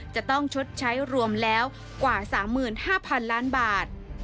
จะต้องชดใช้รวมแล้วกว่า๓๕๐๐๐ล้านบาท